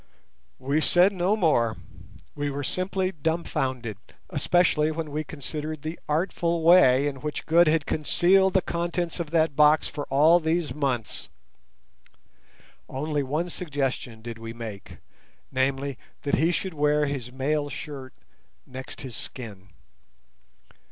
We said no more; we were simply dumbfounded, especially when we considered the artful way in which Good had concealed the contents of that box for all these months. Only one suggestion did we make—namely, that he should wear his mail shirt next his skin.